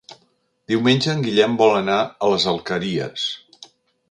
Diumenge en Guillem vol anar a les Alqueries.